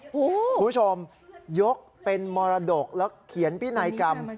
คุณผู้ชมยกเป็นมรดกแล้วเขียนพินัยกรรม